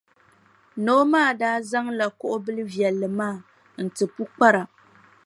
Noo maa daa zaŋla kuɣʼ bilʼ viɛlli maa n-ti pukpara.